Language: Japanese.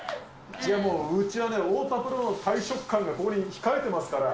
いやもう、うちはね、太田プロの大食漢がここに控えてますから。